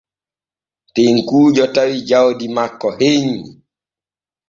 Tekkuujo tawi jawdi hennyi makko.